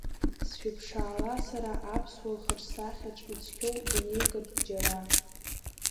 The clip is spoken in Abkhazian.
Сшәыԥшаала сара аԥсуа лхаҿсахьаҿ, ицқьоу дунеикаҿ џьара.